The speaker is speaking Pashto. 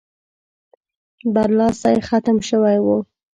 برلاسی ختم شوی وو.